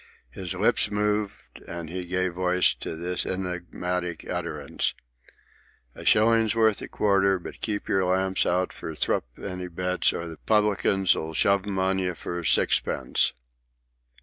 His lips moved, and he gave voice to this enigmatic utterance: "A shilling's worth a quarter; but keep your lamps out for thruppenny bits, or the publicans 'll shove 'em on you for sixpence."